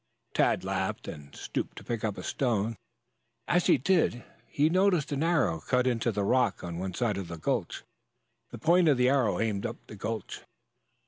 Tad laughed and stooped to pick up a stone. As he did so, he noticed an arrow cut into the rock at one side of the gulch, the point of the arrow aimed up the gulch.